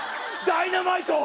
ダイナマイト！